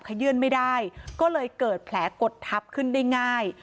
ขยื่นไม่ได้ก็เลยเกิดแผลกดทับขึ้นได้ง่าย